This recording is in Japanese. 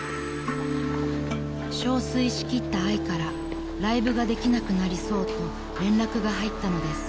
［憔悴しきったあいから「ライブができなくなりそう」と連絡が入ったのです］